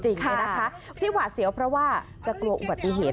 ซึ่งว่าเสียวเพราะว่าจะกลัวอุบัติเหตุ